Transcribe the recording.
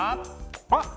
あっ！